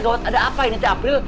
gawat ada apa ini teh april